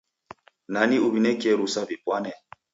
Nani uw'inekie rusa w'ipwane?